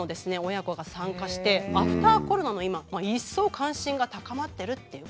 親子が参加してアフターコロナの今一層関心が高まってるっていうことなんですよね。